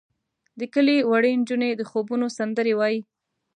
د کلي وړې نجونې د خوبونو سندرې وایې.